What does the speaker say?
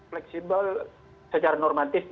fleksibel secara normatif